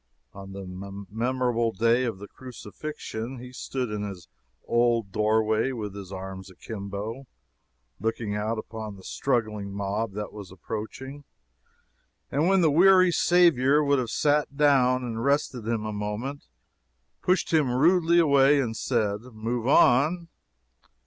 On the memorable day of the Crucifixion he stood in this old doorway with his arms akimbo, looking out upon the struggling mob that was approaching, and when the weary Saviour would have sat down and rested him a moment, pushed him rudely away and said, "Move on!"